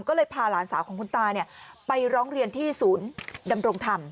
ก็เลยพาหลานสาวของคุณตาไปร้องเรียนที่ศูนย์ดำรงธรรม